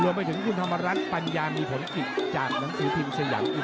รวมไปถึงคุณธรรมรัชปัญญามีผลกิจจากหนังสือทีม